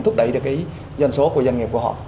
thúc đẩy được cái doanh số của doanh nghiệp của họ